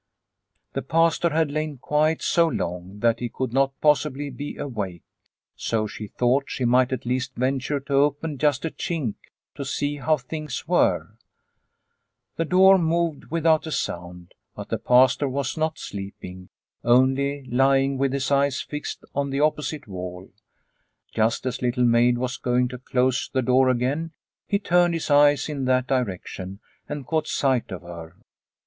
The Pastor had lain quiet so long that he could not possibly be awake, so she thought she might at least venture to open just a chink to see how things were. The door moved without a sound, but the Pastor was not sleeping, only lying with his eyes fixed on the opposite wall. Just as Little Maid was going to close the door again he turned his eyes in that direction and caught sight of her.